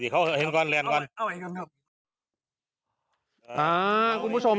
สิเขาหมายคน